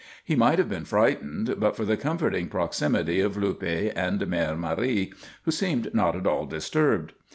He might have been frightened but for the comforting proximity of Luppe and Mère Marie, who seemed not at all disturbed.